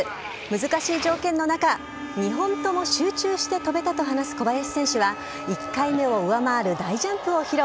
難しい条件の中、２本とも集中して飛べたと話す小林選手は、１回目を上回る大ジャンプを披露。